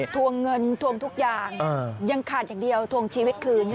ทวงเงินทวงทุกอย่างยังขาดอย่างเดียวทวงชีวิตคืน